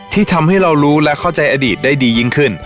ที่ทำให้เรารู้และเข้าใจอดีตได้ดียิ่งขึ้น